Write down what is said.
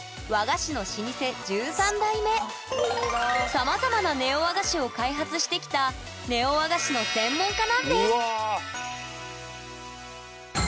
さまざまなネオ和菓子を開発してきたネオ和菓子の専門家なんですうわあ！